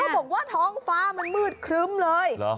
ทืองฟ้ามันมืดครึ้มเลย